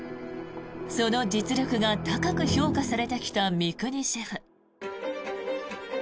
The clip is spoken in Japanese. その実力が高く評価されてきた三國シェフ。